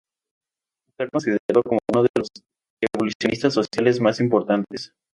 Está considerado como uno de los evolucionistas sociales más importantes.